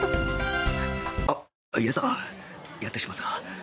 あっやだやってしまった